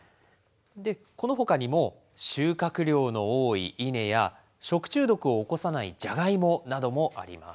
このほかにも収穫量の多いイネや、食中毒を起こさないジャガイモなどもあります。